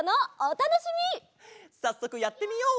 さっそくやってみよう！